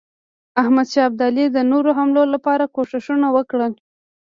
احمدشاه ابدالي د نورو حملو لپاره کوښښونه وکړل.